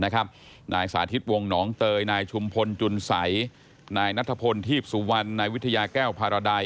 ทั้งศาธิบณีวงหนองเตยชุมพลจุนใสนัทพนธีพสุวรรณวิทยาแก้วพาราไดย